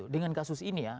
dengan kasus ini ya